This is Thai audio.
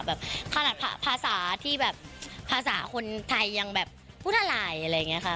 แบบภาษาที่แบบภาษาคนไทยยังแบบพูดอะไรอะไรอย่างนี้ค่ะ